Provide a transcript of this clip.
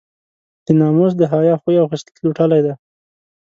د ناموس د حیا خوی او خصلت لوټلی دی.